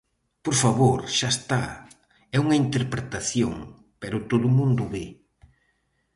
¡Por favor, xa está! É unha interpretación, pero todo o mundo o ve.